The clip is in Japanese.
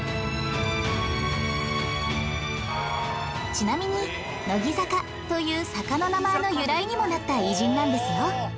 ちなみに「乃木坂」という坂の名前の由来にもなった偉人なんですよ